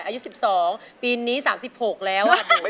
อายุ๒๔ปีวันนี้บุ๋มนะคะ